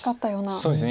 そうですね。